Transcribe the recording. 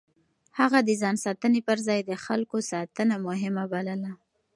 هغه د ځان ساتنې پر ځای د خلکو ساتنه مهمه بلله.